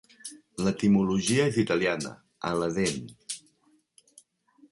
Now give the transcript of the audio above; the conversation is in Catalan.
L'etimologia és italiana "a la dent".